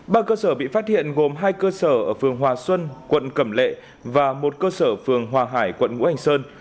ba cơ sở bị phát hiện gồm hai cơ sở ở phường hòa xuân quận cẩm lệ và một cơ sở phường hòa hải quận ngũ hành sơn